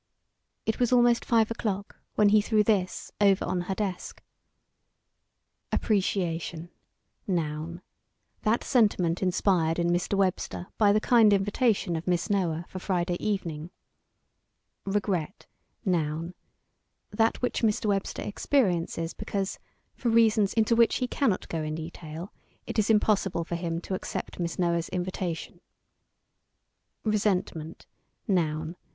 It was almost five o'clock when he threw this over on her desk: "AP PRE CI A TION, n. That sentiment inspired in Mr. Webster by the kind invitation of Miss Noah for Friday evening. "RE GRET, n. That which Mr. Webster experiences because, for reasons into which he cannot go in detail, it is impossible for him to accept Miss Noah's invitation. "RE SENT MENT, _n.